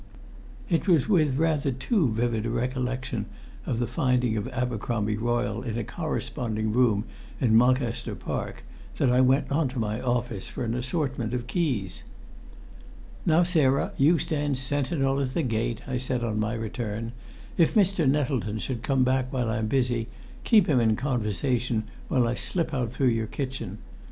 It was with rather too vivid a recollection of the finding of Abercromby Royle, in a corresponding room in Mulcaster Park, that I went on to my office for an assortment of keys. "Now, Sarah, you stand sentinel at the gate," I said on my return. "If Mr. Nettleton should come back while I'm busy, keep him in conversation while I slip out through your kitchen.